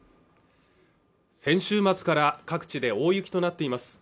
先週末から各地で大雪となっています